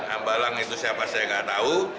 hambalang itu siapa saya gak tahu